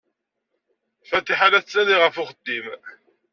Fatiḥa la tettnadi ɣef uxeddim.